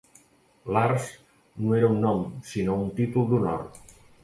Lars no era un nom sinó un títol d'honor.